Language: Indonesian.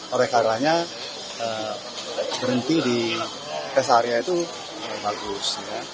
oleh karanya berhenti di rest area itu bagus